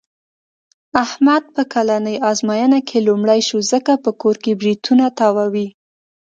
احمد په کلنۍ ازموینه کې لومړی شو. ځکه په کور کې برېتونه تاووي.